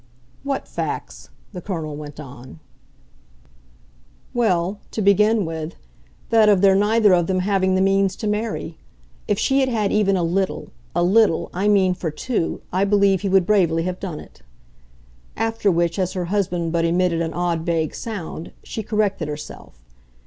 "What facts?" the Colonel went on. "Well, to begin with, that of their neither of them having the means to marry. If she had had even a little a little, I mean, for two I believe he would bravely have done it." After which, as her husband but emitted an odd vague sound, she corrected herself.